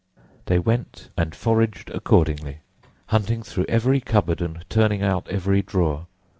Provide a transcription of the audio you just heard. They went and foraged accordingly, hunting through every cupboard and turning out every drawer.